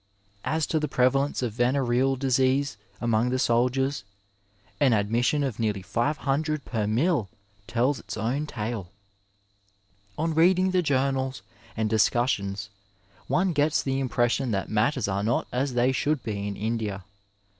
As to the prevalence of venereal disease among the soldiers — an admission of nearly 500 per miUe tells its own tale. On reading the journals and discussions one gets the impression that matters are not as they should be in India.